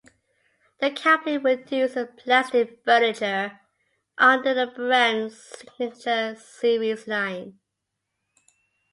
The company produces plastic furniture under the brand Signature Series Line.